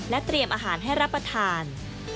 เตรียมอาหารให้รับประทาน